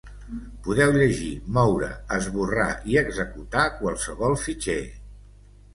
Podeu llegir, moure, esborrar i executar qualsevol fitxer.